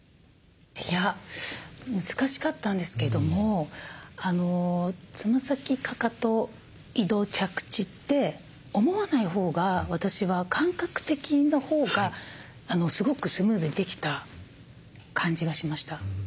難しかったんですけどもつま先かかと移動着地って思わないほうが私は感覚的なほうがすごくスムーズにできた感じがしました。